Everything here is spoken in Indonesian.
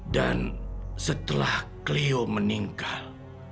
dan setelah clio meninggal